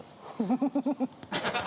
フフフッ。